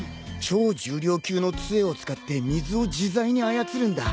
超重量級のつえを使って水を自在に操るんだ。